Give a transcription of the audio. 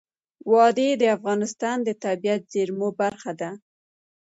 وادي د افغانستان د طبیعي زیرمو برخه ده.